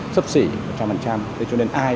sấp xỉ một trăm linh thế cho nên ai